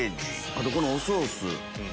あとこのおソース。